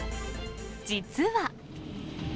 実は。